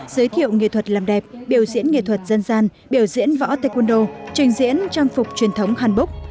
giới thiệu nghệ thuật làm đẹp biểu diễn nghệ thuật dân gian biểu diễn võ taekwondo trình diễn trang phục truyền thống hàn book